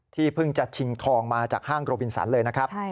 เพิ่งจะชิงทองมาจากห้างโรบินสันเลยนะครับ